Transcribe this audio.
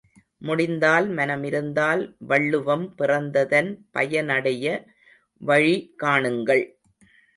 முடிந்தால் மனமிருந்தால் வள்ளுவம் பிறந்ததன் பயனையடைய வழி காணுங்கள்.